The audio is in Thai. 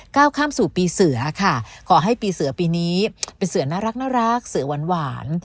ก้าวข้ามสู่ปีเสือค่ะขอให้ปีเสือปีนี้เป็นเสือน่ารักเสือหวาน